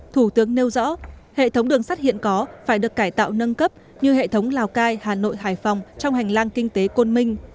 thủ tướng nêu rõ hệ thống đường sắt hiện có phải được cải tạo nâng cấp như hệ thống lào cai hà nội hải phòng trong hành lang kinh tế côn minh